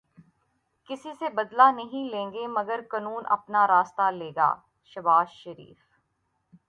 کسی سے بدلہ نہیں لیں گے مگر قانون اپنا راستہ لے گا، شہباز شریف